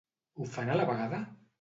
Ho fan a la vegada?